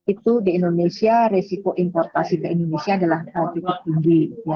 itu di indonesia resiko importasi ke indonesia adalah cukup tinggi